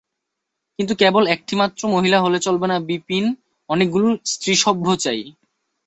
কিন্তু কেবল একটিমাত্র মহিলা হলে চলবে না বিপিন, অনেকগুলি স্ত্রীসভ্য চাই।